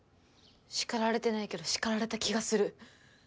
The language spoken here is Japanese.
叱られてないけど叱られた気がする。